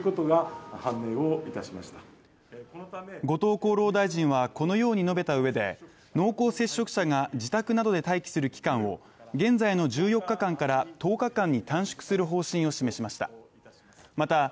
後藤厚労大臣はこのように述べたうえで濃厚接触者が自宅などで待機する期間を現在の１４日間から１０日間に短縮する方針を示しました。